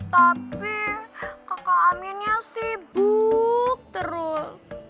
tapi kakak aminnya sibuk terus